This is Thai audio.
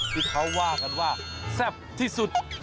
ที่เขาว่ากันว่าแซ่บที่สุด